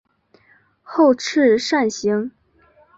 后翅扇形。